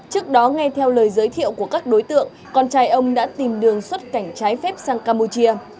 trước đó nghe theo lời giới thiệu của các đối tượng con trai ông đã tìm đường xuất cảnh trái phép sang campuchia